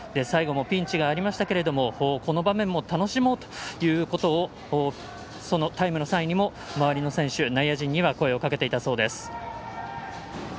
最後もピンチがありましたがこの場面も楽しもうということをタイムの際にも周りの選手内野陣には声をかけていたそうです。